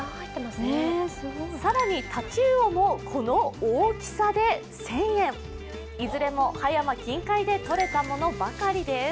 更に、太刀魚もこの大きさで１０００円いずれも葉山近海でとれたものばかりです。